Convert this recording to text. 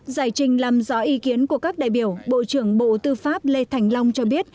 giải trình làm rõ ý kiến của các đại biểu bộ trưởng bộ tư pháp lê thành long cho biết